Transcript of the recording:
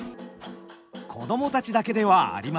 子どもたちだけではありません。